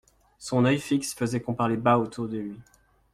Son oeil fixe faisait qu'on parlait bas autour de lui.